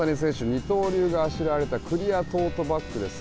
二刀流があしらわれたクリアトートバッグです。